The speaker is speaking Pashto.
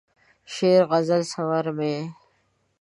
شعر، غزل ثمر مې یې